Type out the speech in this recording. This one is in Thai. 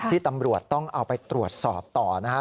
ที่ตำรวจต้องเอาไปตรวจสอบต่อนะฮะ